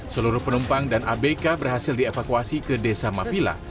seluruh penumpang dan abk berhasil dievakuasi ke desa mapila